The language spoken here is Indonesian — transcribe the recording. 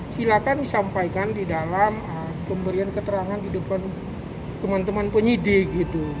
silahkan disampaikan di dalam pemberian keterangan di depan teman teman penyidik gitu